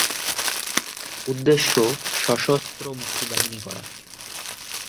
উদ্দেশ্য সশস্ত্র মুক্তিবাহিনী গড়া।